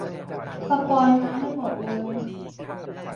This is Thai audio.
สปอยล์มาให้หมดเลย